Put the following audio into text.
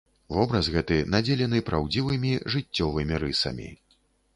Вобраз гэты надзелены праўдзівымі жыццёвымі рысамі.